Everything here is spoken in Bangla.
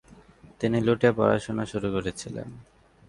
তিনি লুটে পড়াশোনা শুরু করেছিলেন।